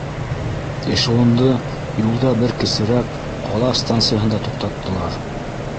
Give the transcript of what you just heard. Эшелонды юлда бер кесерәк ҡала станцияһында туҡтаттылар.